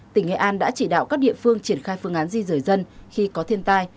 tỉnh nghệ an đã chỉ đạo các địa phương triển khai phương án di rời dân khi có thiên tai